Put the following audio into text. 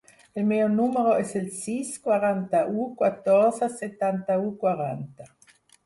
El meu número es el sis, quaranta-u, catorze, setanta-u, quaranta.